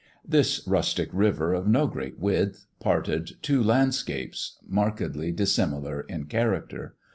This rustic river, of no great width, parted two land scapes markedly dissimilar in character.